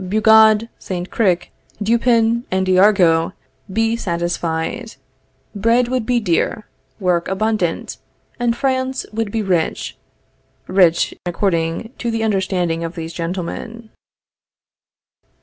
Bugeaud, Saint Cricq, Dupin, and d'Argout be satisfied; bread would be dear, work abundant, and France would be rich rich according to the understanding of these gentlemen.